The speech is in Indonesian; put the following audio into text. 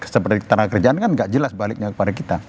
seperti ketenaga kerjaan kan nggak jelas baliknya kepada kita